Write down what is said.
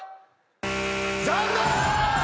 残念！